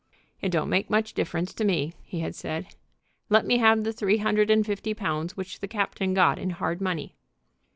"It don't make much difference to me," he had said. "Let me have the three hundred and fifty pounds which the captain got in hard money."